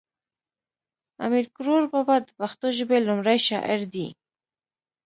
امیر کړوړ بابا د پښتو ژبی لومړی شاعر دی